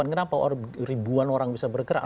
kenapa ribuan orang bisa bergerak